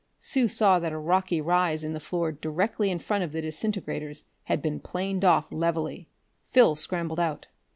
Sue saw that a rocky rise in the floor directly in front of the disintegrators had been planed off levelly. Phil scrambled out.